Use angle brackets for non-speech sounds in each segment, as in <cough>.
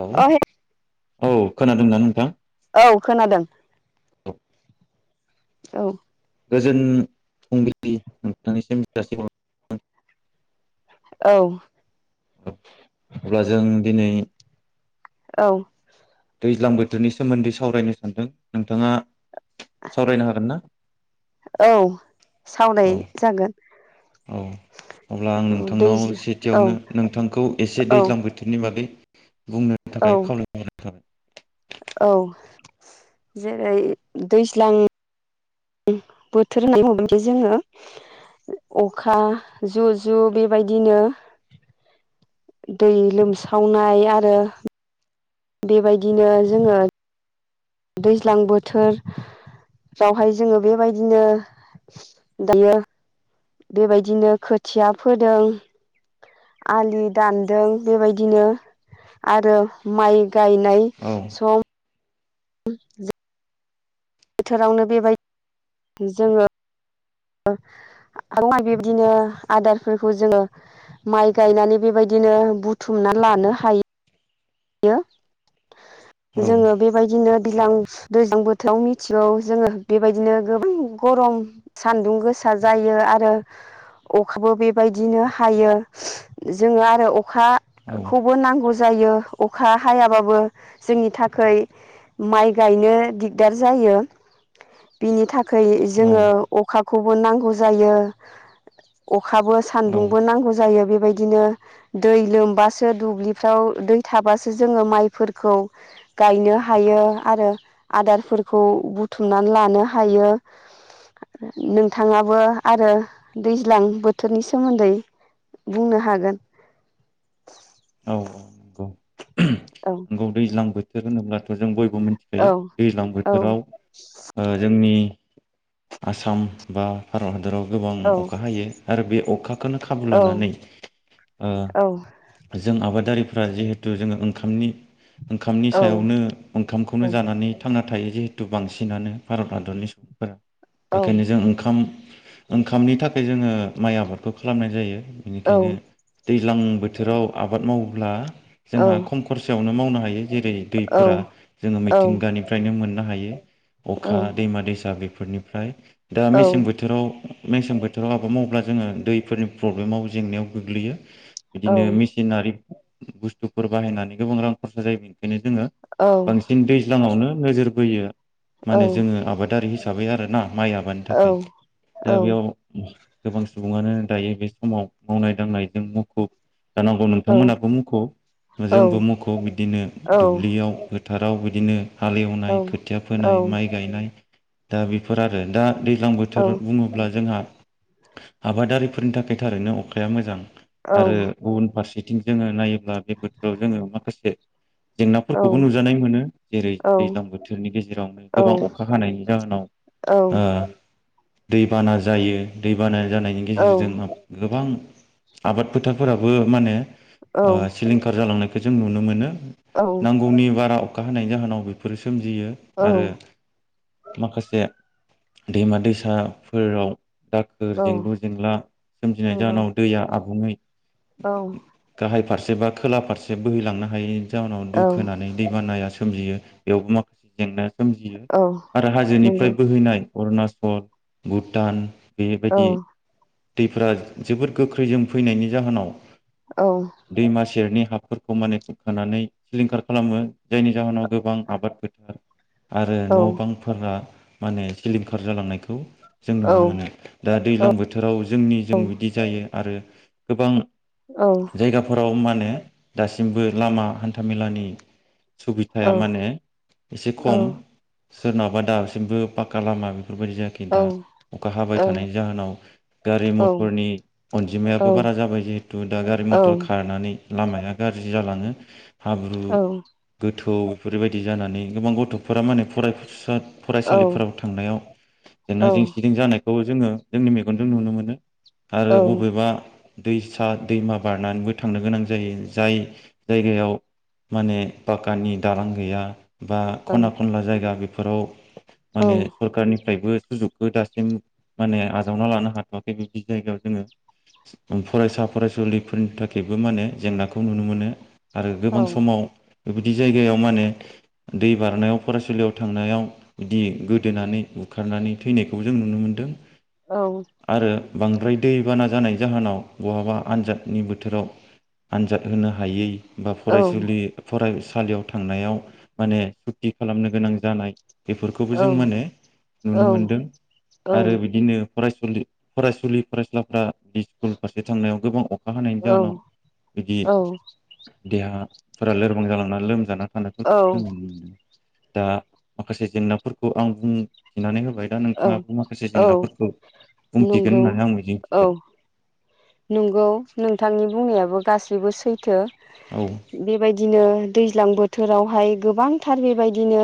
लौ अ हे औ खोनादोंना नोंथां। औ खोनादों औ। औऋ गोजोन फुंबिलि नोंथांनिसिमसि। औ अब्ला जोंखौ दिनै। औ। दैज्लां बोथोरनि सोमोन्दै सावरायनो सानदों नोंथाङा। सावरायनो हागोन ना औ सावनाय औ जागोन। औ अब्ला आं औ नोंथांनाव दैज्ला औ सेथियावनो नोंथांखौ एसे औ दैज्लां बोथोरनि मादि बुंनो औ थाखाय खावलायनाय। खा। औ जेरै दैज्लां। बोथोर होननानै बुंबाथाय जोङो अखा जु' जु बेबायदिनो। दै लोमसावनाय आरो। बेबायदिनो जोङो। दैज्लां बोथोरावहाय जोङो बेबायदिनो दायो। बेबायदिनो खोथिया फोदों आलि दानदों बेबायदिनो आरो माइ गायनाय औ सम। <inaudible> बोथोरावनो बेबायदि जोङो आ बेबायदिनो आदारफोरखौ जोङो माइ गायनानै बेबायदिनो बुथुमना लानो हायो। यो। औ जोङो बेबायदिनो। दैज्लां दैज्लां बोथोराव मिथिगौ जोङो बेबायदिनो गोबां गरम सान्दुं गोसा जायो आरो अखाबो बेबायदिनो हायो जोङो आरो अखा। औ खौबो नांगौ जायो। अखा हायाबाबो जोंनि थाखाय माइ गायनो दिगदार जायो बिनि थाखाय खै जोङो अखा खौबो नांगौ जायो अखाबो औ सान्दुंबो नांगौ जायो बेबायदिनो दै लोमबासो दुब्लिफ्राव दै थाबासो जोङो माइफोरखौ गायनो हायो आरो आदारफोरखौ बुथुमनानै लानो हायो नोंथाङाबो आरो दैज्लां बोथोरनि सोमोन्दै बुंनो हागोन औ औ नंगौ औ नंगौ दैज्लां बोथोर होनोब्लाथ' जों बयबो बो मोनथिखायो औ दैज्लां औ बोथोराव ओ जोंनि आसाम बा भारत हादराव गोबां औ अखा हायो आरो बे अखाखोनो खाबु औ लानानै ओ औ जों आबादारिफ्रा जिहेथु जोङो ओंखामनि ओंखामनि औ सायावनो ओंखामखौनो जानानै थांना थायो जिहेतु बांसिनानो भारत हादरनि सुबुंफोरा औ बेखायनो जों ओंखाम ओंखामनि थाखाय जोङो माइ आबादखौ खालामनाय जायो औ इनिखायनो दैज्लां बोथोराव आबाद मावोब्ला जोंहा खम खरसायाव नो मावनो हायो जेरै औ दैफोरा जोङो औ मिथिंगानिफ्रायनो मोन नो हायो अखा दैमा दैसा बेफो फोरनिफ्राय दा मेसें बोथोराव मेसें बोथोराव आबाद मावोब्ला जोङो दैफोरनि प्रब्लेमाव जेंनायाव गोग्लैयो इदिनो मेसिनारि बुस्तुफोर बाहायनानै गोबां रां खरसा जायो बेनिखायनो जोङो बांसिन दैज्लाङावनो नोजोर बोयो माने औ जोङो आबादारि हिसा साबै आरो ना माइ आबानि थाखाय औ दा बेयाव गोबां सुबुङानो दायो बे समाव मावनाय दांनायदों मुखुब जानांगौ नोंथांमोनाबो मुखुब औ जोंबो मुखुब इनो औ दुब्लियाव फोथाराव बिदिनो औ हालेवनाय खोथिया फोनाय माइ गायनाय दा बेफोर आरो दा दैज्लां बोथोर बुङोब्ला जोंहा आबादारिफोरनि थाखाय थारैनो अखाया मोजां आरो गुबुन फारसे थिं जोङो नायोब्ला बेफोरखौ जोङो माखासे जेंनाफोरखौबो नुजानाय मोनो जेरै दैज्लां बोथोरनि गेजेरावनो गोबां अखा हानायनि जाहोनाव औ ओ दैबाना जायो दैबाना जानायनि गेजेरजों गोबां आबाद फोथारफोराबो माने ओ सिलिंखार जालांनाय खो जों नुनो मोनो। नांगौनि बारा अखा हानायनि जाहोनाव बेफोरो सोमजियो आरो माखासे दैमा दैसा फोराव दाखोर जेंलु जेंला सोमजिनाय जाहोनाव दैया आ गडै औ गाहाय फारसे बा थोला फारसे बोहैलांनो हायो जाहोनाव औ दुखोनानै दै बानाया सो सोमजियो बेयावबो माखासे जेंना सोमजियो औ आरो हाजोनिफ्राय नंगौ बोहैनाय अरुणाचल भुटान औ बेबायदि दैफ्रा जोबोद गोख्रैजों फैनायनि जाहोनाव औ दैमा सेरनि हाब फोरखौ माने खुरखानानै सिलिंखार खालामो जायनि जाहोनाव गोबां आबाद फोथार आरो नंगौ न' बांफोरा माने सिलिंखार जालांनायखौ जों औ नुनो मोनो। दा दैलां बोथोराव जोंनि जों बिदि जायो आरो गोबां औ जायगाफोराव मा ने दासिमबो लामा हान था मेलानि सुबिधाया औ माने एसे औ खम। सोरनावबा दा सिमबो पाका लामा बेफोरबायदि जायाखै दा औ अखा हाबाय थानायनि जाहोनाव गारि मथरनि अनजिमायाबो बारा जाबाय जिहेथु दा गारि मथर खारनानै लामाया गाज्रि जालाङो। हाब्रु गो थौ बेफोरबायदि जानानै गोबां गथफोरा माने फराय फसा फरायसालिफोराव औ थांनायाव जेना जेंसिदिं जानाय खौ जोङो जोंनि मेगनजों नुनो मोनो आरो बबेबा दैसा दैमा बारनानैबो थांनो गोनां जायो। जाय जायगायाव माने पाकानि दालां गैया बा औ खना खनला जायगा बे फोराव माने सरखारनिफ्रायबो सुजुगखौ दासिम माने आजावना लानो हाथवाखै बे जायगायाव जोङो फरायसा फरायसुलिफोरनि थाखायबो माने जेंनाखौ नुनो मोनो आरो गोबां बेबायदि जायगायाव माने दै बारनायाव फरायसालियाव थांनायाव बिदि गोदोनानै बुखारनानै थैनायखौ जों नुनो मोनदों औ। आरो बांद्राय दैबाना जानाय जाहोनाव बहाबा आनजादनि बोथोराव आनजाद होनो हायै बा फराय फरायसालियाव थांनायाव माने सुति खालामनो गोनां जानाय बेफोरखौबो जों माने नुनो मोनदों आरो बिदिनो फरायसुलि फरायसुलि फरायसुलाफ्रा बे स्कुल फारसे थांनायाव गोबां अ खा हानायनि जाहोनाव बिदि देहा फोरा लोरबां जालांना लोमजाना थानायखौ जोंङो नुनो मोनदों। दा माखासे जेंनाफोरखौ आं बुंथिनानै हो बाय दा नोंथाङाबो माखासे औ जेंनाफोरखौ बुंथिगोन नंगौ होननानै आं मिजिं औ थिबाय। नंगौ, नोंथांनि बुंनायाबो गासैबो सैथो। औ बेबायदिनो दै ज्लां बोथोरावहाय गोबांथार बेबायदिनो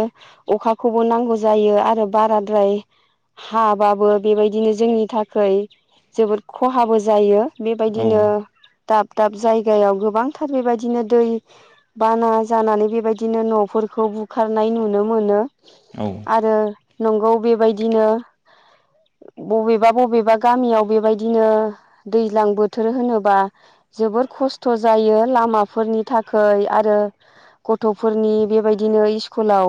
अखाखौबो नांगौ जायो आरो बाराद्राय हाबाबो बेबायदिनो जोंनि थाखै जोबोद खहाबो जायो। औ बेबायदिनो दाब दाब जायगायाव गोबांथार बेबादिनो दै बाना जानानै बेबादिनो नफोरखौ बुखारनाय नुनो मोनो। आरो नंगौ बेबायदिनो बबेबा बबेबा गामियाव बेबायदिनो दैज्लां बोथोर होनोबा जोबोर खस्थ' जायो लामाफोरनि थाखै आरो गथ'फोरनि बेबायदिनो इस्कुलाव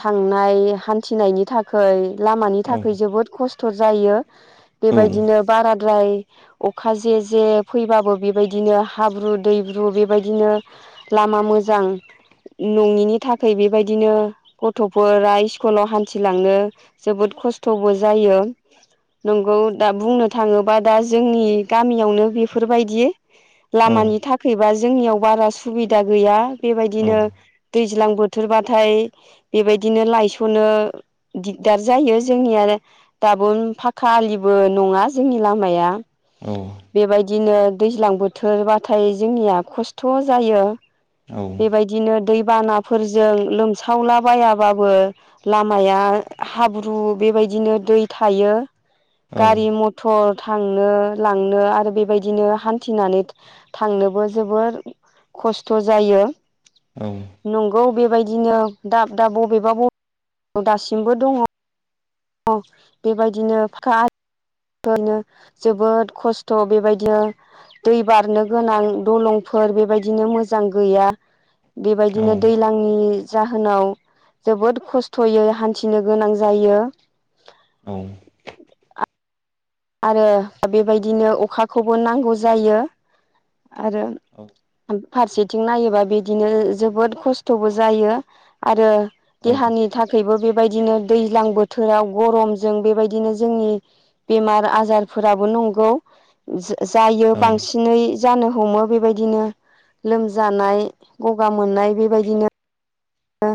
थांनाय हान्थिनायनि थाखै। लामानि थाखै जोबोद खस थ' जायो। बेबायदिनो बारा द्राय अखा जे जे फैबाबो बेबायदिनो हाब्रु दैब्रु बेबायदिनो लामा मोजां नङिनि थाखै बेबायदिनो गथ'फोरा इस्कलाव हान्थिलांनो जोबोद खस्थ'बो जायो। नंगौ दा बुंनो थाङोबा दा जोंनि गामियावनो बेफोर बायदि लामानि थाखै बा जोंनियाव बारा सुबिदा गैया। बेबायदिनो दैज्लां बोथोर बाथाय बेबायदिनो लायस'नो दिगदार जायो। जोंनिया दाबो फाखा आलिबो नङा जोंनि लामाया। औ। दिनो दैज्लां बोथोर बाथाय जोंनिया खस्थ' जायो। बेबायदिनो दैबानाफोरजों लोमसावला बायाबाबो लामाया हाब्रु बेबायदिनो दै थायो। गारि मथर थांनो लांनो आरो बेबायदिनो हान्थिनानै थांनोबो जोबोर खस्थ' जायो। औ। गौ बेबायदिनो दाब दाब बबेबा ब दासिमबो दङ। अ बेबायदिनो फाखा आ <unintelligible> जोबोद खस्थ'। ेबायदिनो दै बारनो गोनां दलंफोर बेबायदिनो मोजां गैया। बेबायदिनो दैलांनि जाहोनाव जोबोद खस्थ'यै हान्थिनो गोनां जायो। औ। आरो बेबायदिनो अखाखौबो नांगौ जायो आरो फारसेथिं नायोबा बिदिनो जोबोद खस्थ'बो जायो आरो देहानि थाखायबो बे बायदिनो दैज्लां बोथोराव गरमजों बेबायदिनो जोंनि बेमार आजारफोराबो नंगौ, जा जायो औ औ बांसिनै जानो हमो बेबायदिनो लोमजानाय गगा मोननाय बेबायदिनो नो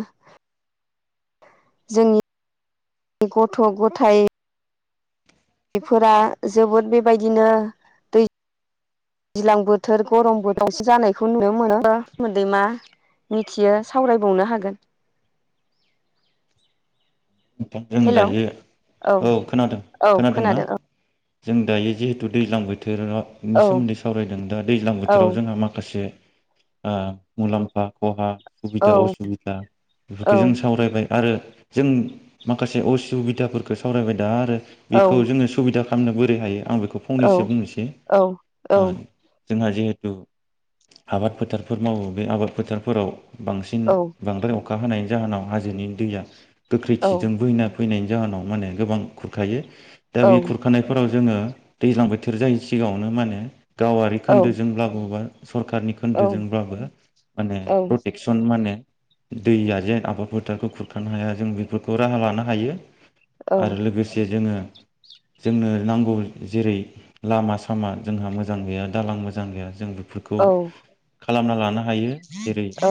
जोंनि गथ गथाय बेफोरा जोबोद बेबायदिनो दै दैज्लां बोथोर गरम बोथोरावसो जानायखौ नुनो मोनो मोदै मा मिथियो सावरायबावनो हागोन ओ जों हेल' दायो औ खोनादों औ खोनादोंना खोनादों जों दायो जिहेतु दैजलां बोथोर बोथोरनि औ सोमोन्दै सावरायदों दा दैज्लां औ बोथोराव जोंहा माखासे आ मुलामफा खहा औ सुबिदा असुबिदा बेफोरखौ औ जों सावरायबाय आरो जों माखासे असुबिदाफोरखौ सावरायबाय दा आरो औ बेखौ जोंङो सुबिदा खालाम खालामनो बोरै हायो आं बेखौ औ फंनैसो बुंनोसै औ जोंहा जिहेथु आबाद फोथारफोर मावो बे आबाद फोथारफोराव बांसिन बांद्राय अखा हानायनि जाहोनाव हाजोनि दैया गोख्रैथि फैना फैनायनि जाहोनाव माने गोबां खुरखायो दा बे खुरखानायफोराव जोंङो दैज्लां बोथोर जायैनि सिगांङावनो मानो गावारि खोन्दोजों लाबोबा सरखारारनि खोन्दोजोंब्लाबो माने प्रटेकसन माने दैया जेन आबाद फोथारखौ खुरखानो हाया जों बेफोर खौ राहा लानो हायो आरो लोगोसे जोंङो जोंनो नांगौ जेरै लामा सामा जोंहा मोजां गैया दालां मोजां गैया जों बे फोरखौ खालामना लाना औ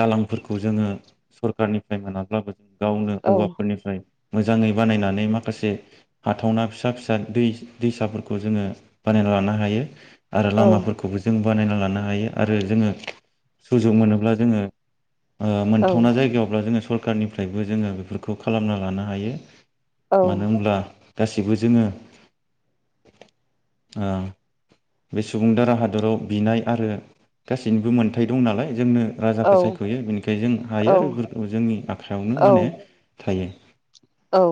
दालांफोरखौ जोंङो सरखारारनिफ्राय मोनाब्लाबो जों गावनो औवाफोरनिफ्राय मोजांङै बानायनानै माखासे हाथावना फिसा फिसा दै दैसाफोरखौ जोंङो बानायना लानो हायो आरो लामाफोरखौबो जों बानायना लानो हायो आरो जोङो सुजुग मोनोब्ला जोङो ओ मोनथावना जायगायावब्ला जोङो सर खानि निफ्रायबो जोङो बेफोरखौ खालामना लानो हायो। मानो होनब्ला गासिबो जोङो ओ बे सुबुं दारा हादराव बिनाय आरो गासैनिबो मोनथाय दं नालाय जोंनो राजाखौ औ सायख'यो बेनिखायनो जों हायो आरो औ जोंनि आ खायावनो औ माने थायो। औ।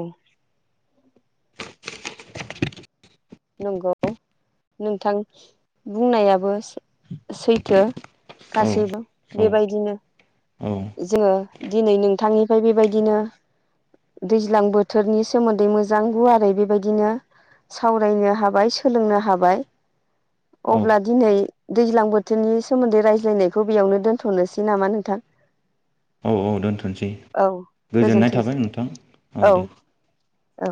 नंगौ नोंथां बुंनायाबो सै सैथो औ गासैबो औ बेबायदिनो औ जोङो दिनै नोंथांनि बेबायदिनो दैज्लां बोथोरनि सोमोन्दै मोजां गुवारै बेबायदिनो साव रायनो हाबाय सोलोंनो हाबाय। औ अब्ला दिनै दैज्लां बोथोरनि सोमोन्दै रायज्लायनायखौ बेयावनो दोनथ'नोसै नामा नोंथां? औ औ दोनथ'सै औ गोजोननाय गोजोनथोंसै थाबाय नोंथां औ दे। औ।